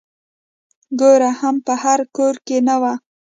ګوړه هم په هر کور کې نه وه.